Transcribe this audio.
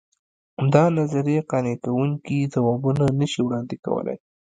دا نظریې قانع کوونکي ځوابونه نه شي وړاندې کولای.